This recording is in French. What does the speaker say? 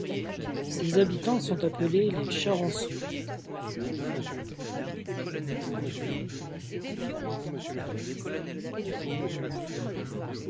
Ses habitants sont appelés les Charensous.